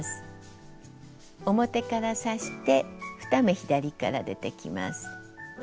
表から刺して２目左から出てきます。